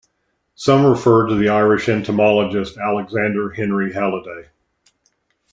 Some refer to the Irish Entomologist Alexander Henry Haliday.